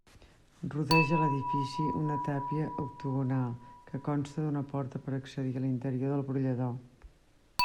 Rodeja l'edifici una tàpia octogonal, que consta d'una porta per a accedir a l'interior del brollador.